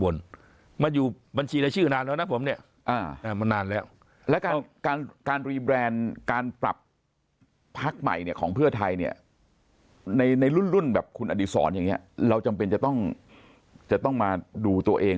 ในรุ่นแบบคุณาดีสอนอย่างนี้เราจำเป็นต้องมาดูตัวเอง